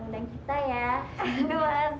ngelamarnya lama bener sih